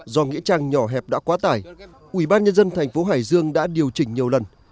do nghĩa trang nhỏ hẹp đã quá tải ubnd thành phố hải dương đã điều chỉnh nhiều lần